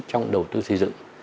trong đầu tư xây dựng